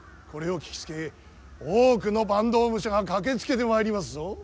これを聞きつけ多くの坂東武者が駆けつけてまいりますぞ。